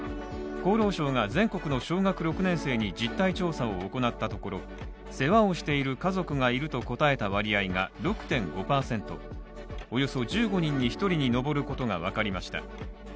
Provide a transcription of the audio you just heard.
厚労省が全国の小学６年生に実態調査を行ったところ世話をしている家族がいると答えた割合が６．５％およそ１５人に１人に上ることが分かりました。